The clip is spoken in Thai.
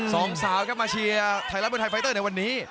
สองสาวครับมาเชียร์ไทยรัฐมวยไทยไฟเตอร์ในวันนี้